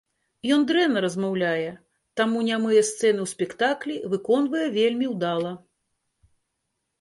Ён дрэнна размаўляе, таму нямыя сцэны ў спектаклі выконвае вельмі ўдала.